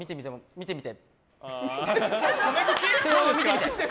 見てみて！